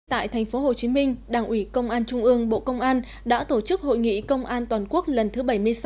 tại thành phố hồ chí minh đảng ủy công an trung ương bộ công an đã tổ chức hội nghị công an toàn quốc lần thứ bảy mươi sáu